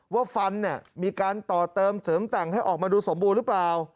ว่าฟันเนี่ยมีการต่อเติมเสริมแต่งให้ออกมาดูสมบูรณ์หรือเปล่า